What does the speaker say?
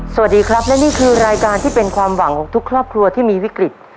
สวัสดีครับและนี่คือรายการที่เป็นความหวังของทุกครอบครัวที่มีวิกฤต